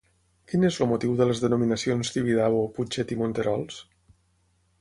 Quin és el motiu de les denominacions Tibidabo, Putxet i Monterols?